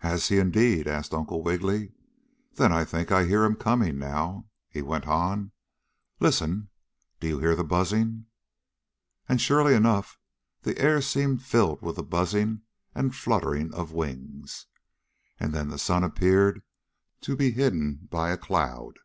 "Has he, indeed?" asked Uncle Wiggily. "Then I think I hear him coming now," he went on. "Listen, do you hear the buzzing?" And, surely enough, the air seemed filled with the buzzing and fluttering of wings. And then the sun appeared to be hidden by a cloud.